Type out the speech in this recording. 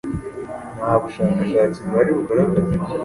nta bushakashatsi buhari bugaragaza ibyo